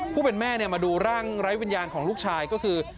ผู้เป็นแม่มาดูร่างไร้วิญญาณของลูกชายก็คือ